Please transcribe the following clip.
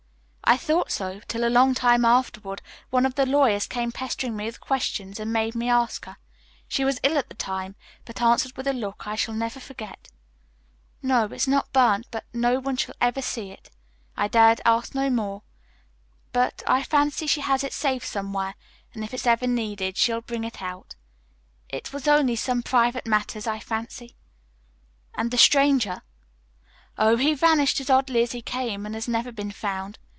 "I thought so, till a long time afterward, one of the lawyers came pestering me with questions, and made me ask her. She was ill at the time, but answered with a look I shall never forget, 'No, it's not burnt, but no one shall ever see it.' I dared ask no more, but I fancy she has it safe somewhere and if it's ever needed she'll bring it out. It was only some private matters, I fancy." "And the stranger?" "Oh, he vanished as oddly as he came, and has never been found.